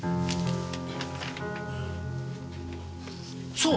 そう！